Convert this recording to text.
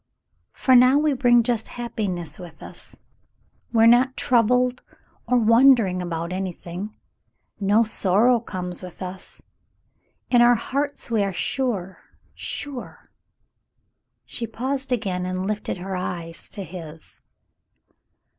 "For now we bring just happiness with us. We're not << T> ii The Summer Passes 203 troubled or wondering about anything. No sorrow comes with us. In our hearts we are sure — sure —'* She paused again and lifted her eyes to his.